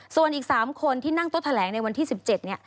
ส่วนอีก๓คนที่นั่งโต๊ะแถลงในวันที่๑๗เนี่ย